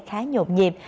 khá nhộn nhịp